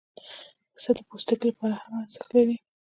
پسه د پوستکي لپاره هم ارزښت لري.